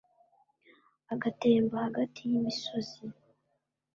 agatemba hagati y'imisozi